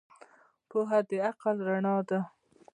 پوهه د عقل رڼا ده.